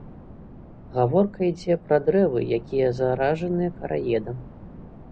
Гаворка ідзе пра дрэвы, якія заражаныя караедам.